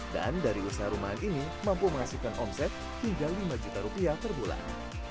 dan dari usaha rumahan ini mampu menghasilkan omset hingga lima juta rupiah per bulan